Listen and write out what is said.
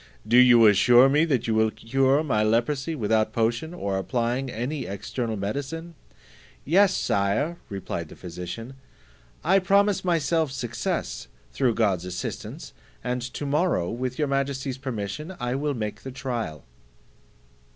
Do you assure me that you will cure my leprosy without potion, or applying any external medicine?" "Yes, Sire," replied the physician, "I promise myself success, through God's assistance, and to morrow, with your majesty's permission, I will make the trial."